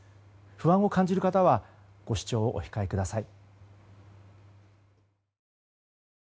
不安を感じる方はご視聴をお控えください。